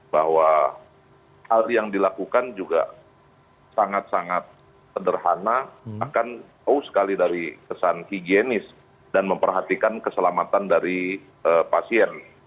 bahwa hal yang dilakukan juga sangat sangat sederhana akan jauh sekali dari kesan higienis dan memperhatikan keselamatan dari pasien